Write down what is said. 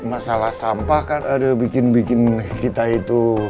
masalah sampah kan ada bikin bikin kita itu